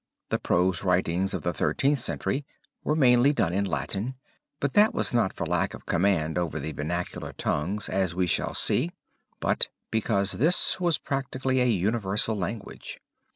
The prose writings of the Thirteenth Century were mainly done in Latin, but that was not for lack of command over the vernacular tongues, as we shall see, but because this was practically a universal language.